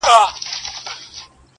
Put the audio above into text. • که غوایی دي که وزې پکښی ایله دي -